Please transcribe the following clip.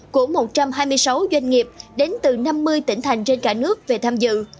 của một trăm hai mươi sáu doanh nghiệp đến từ năm mươi tỉnh thành trên cả nước về tham dự